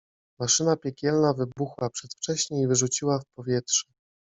Maszyna piekielna wybuchła przedwcześnie i wyrzuciła w powietrze…